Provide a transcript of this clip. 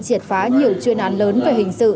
triệt phá nhiều chuyên án lớn về hình sự